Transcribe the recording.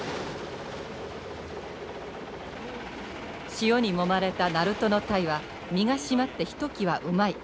潮にもまれた鳴門のタイは身が締まってひときわうまい。